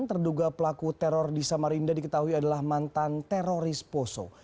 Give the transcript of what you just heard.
terduga pelaku teror di samarinda diketahui adalah mantan teroris poso